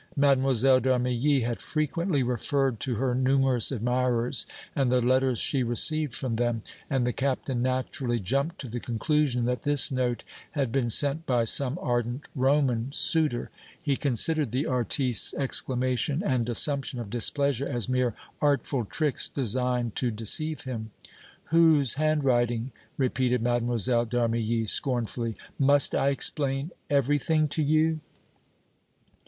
Mlle. d' Armilly had frequently referred to her numerous admirers and the letters she received from them, and the Captain naturally jumped to the conclusion that this note had been sent by some ardent Roman suitor. He considered the artiste's exclamation and assumption of displeasure as mere artful tricks designed to deceive him. "Whose handwriting?" repeated Mlle. d' Armilly; scornfully. "Must I explain everything to you?"